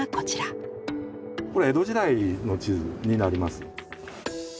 これ江戸時代の地図になります。